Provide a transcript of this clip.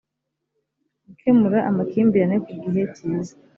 gukemura amakimbirane ku gihe cyiza